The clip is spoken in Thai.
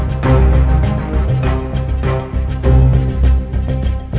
มีความรู้สึกว่ามีความรู้สึกว่า